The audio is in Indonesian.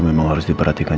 mir sudah lahir